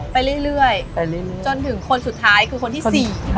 ไปเรื่อยจนถึงคนสุดท้ายคือคนที่๔